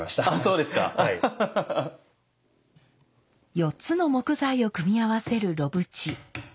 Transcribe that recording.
４つの木材を組み合わせる炉縁。